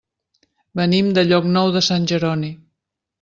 Venim de Llocnou de Sant Jeroni.